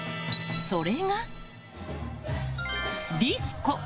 それが、ディスコ！